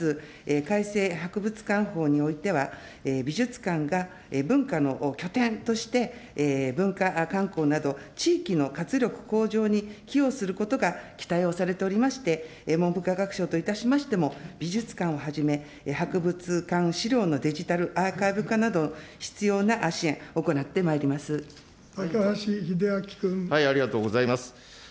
改正博物館法においては、美術館が文化の拠点として、文化観光など、地域の活力向上に寄与することが期待をされておりまして、文部科学省といたしましても、美術館をはじめ、博物館資料のデジタルアーカイブ化など、必要な支援、行ってまい高橋英明君。ありがとうございます。